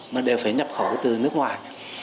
mà đều phải nhập khẩu từ nước ngoài